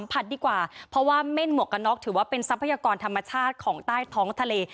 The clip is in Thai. ดีกว่าเพราะว่าเม่นหมวกกันน็อกถือว่าเป็นทรัพยากรธรรมชาติของใต้ท้องทะเล